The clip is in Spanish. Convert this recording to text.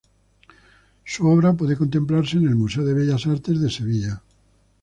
Su obra puede contemplarse en el Museo de Bellas Artes de Sevilla.